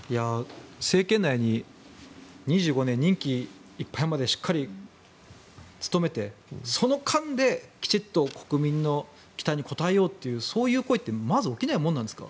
政権内に２５年、任期いっぱいまでしっかりと務めてその間できちんと国民の期待に応えようというそういう声ってまず起きないものなんですか。